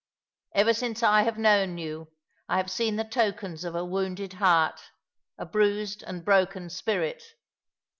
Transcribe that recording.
Ever since I have known you I have seen the tokens of a wounded heart, a bruised and broken spirit.